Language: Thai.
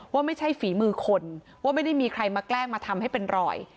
ว่าไม่ใช่ฝีมือคนว่าไม่ได้มีใครมาแกล้งมาทำให้เป็นรอย